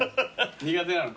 苦手なの？